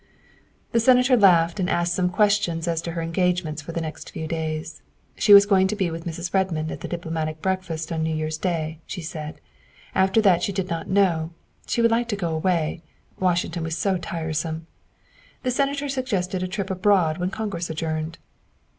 The Senator laughed and asked some questions as to her engagements for the next few days. She was going to be with Mrs. Redmond at the diplomatic breakfast on New Year's Day, she said, after that she did not know; she would like to go away Washington was so tiresome. The Senator suggested a trip abroad when Congress adjourned.